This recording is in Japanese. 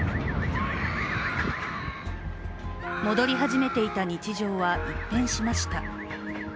戻り始めていた日常は、一変しました。